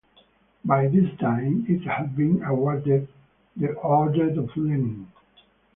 By this time it had been awarded the Order of Lenin.